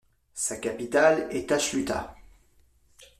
Sa capitale est Tashluta.